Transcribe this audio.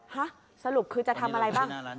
ฮะสรุปคือจะทำอะไรบ้าง